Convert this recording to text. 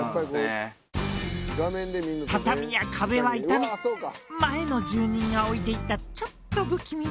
畳や壁は傷み前の住人が置いていったちょっと不気味